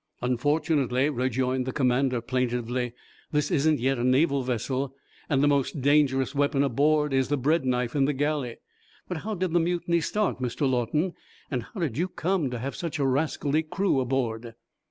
"Unfortunately," rejoined the commander, plaintively, "this isn't yet a Naval vessel, and the most dangerous weapon aboard is the breadknife in the galley. But how did the mutiny start, Mr. Lawton? And how did you come to have such a rascally crew aboard?"